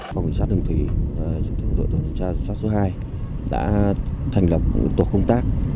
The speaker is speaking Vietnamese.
phòng chính sát đường thủy chính sát đường thủy chính sát số hai đã thành lập một tổ công tác